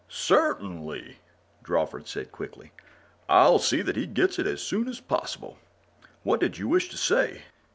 "Certainly," Drawford said quickly. "I'll see that he gets it as soon as possible. What did you wish to say?"